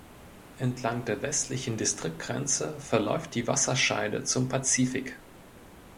Entlang der westlichen Distriktgrenze verläuft die Wasserscheide zum Pazifik.